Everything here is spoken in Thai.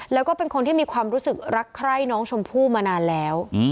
แล้วก็เป็นคนที่มีความรู้สึกรักใคร่น้องชมพู่มานานแล้ว